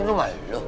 ini rumah lo